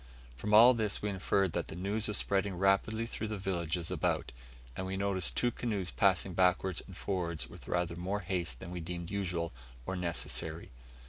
From all this we inferred that the news was spreading rapidly through the villages about, and we had noticed two canoes passing backwards and forwards with rather more haste than we deemed usual or necessary.